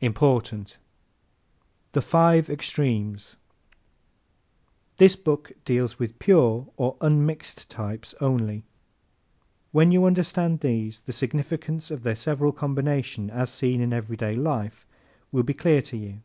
IMPORTANT The Five Extremes ¶ This book deals with PURE or UNMIXED types only. When you understand these, the significance of their several combinations as seen in everyday life will be clear to you.